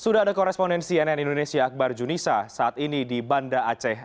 sudah ada korespondensi nn indonesia akbar junisa saat ini di banda aceh